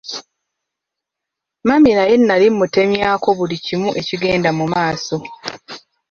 Mami naye nali mmutemyako buli kimu ekigenda mu maaso.